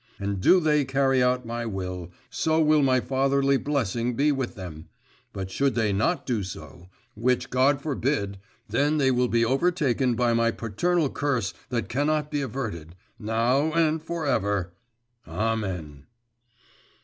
And do they carry out my will, so will my fatherly blessing be with them, but should they not so do, which God forbid, then will they be overtaken by my paternal curse that cannot be averted, now and for ever, amen!